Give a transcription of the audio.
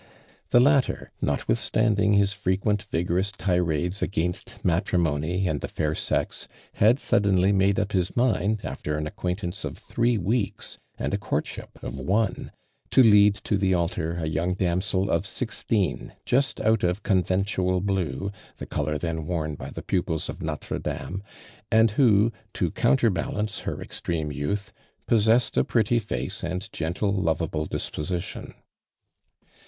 The latter, notwithstanding his freqtient vigorous tirades against matrimony and the fair sex, had suddenly madc^iAip his mind, after an ac <iuaintance of three weeks, and a courtship of one, to lead to the altar a young damsel of sixteen, just out of conventual blue, the color then worn by the pupils of Notre Dame, and who, to counterbalance her ex treme youth, possessed a pretty face and gentle, lovable disposition.